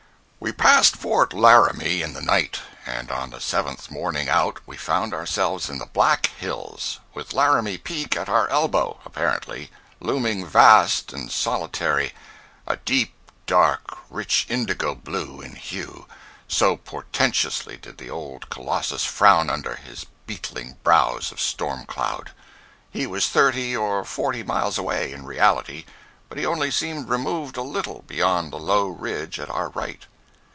We passed Fort Laramie in the night, and on the seventh morning out we found ourselves in the Black Hills, with Laramie Peak at our elbow (apparently) looming vast and solitary—a deep, dark, rich indigo blue in hue, so portentously did the old colossus frown under his beetling brows of storm cloud. He was thirty or forty miles away, in reality, but he only seemed removed a little beyond the low ridge at our right.